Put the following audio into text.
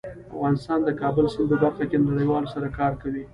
افغانستان د کابل سیند په برخه کې له نړیوالو سره کار کوي.